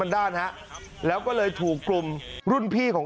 เขาเล่าบอกว่าเขากับเพื่อนเนี่ยที่เรียนปลูกแดงใช่ไหม